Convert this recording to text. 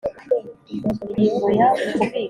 Ingingo ya kubika amazi